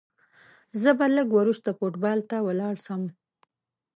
زه به لږ وروسته فوټبال ته ولاړ سم.